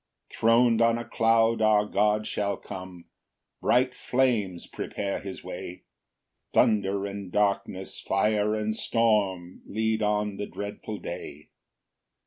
3 Thron'd on a cloud our God shall come, Bright flames prepare his way, Thunder and darkness, fire and storm, Lead on the dreadful day.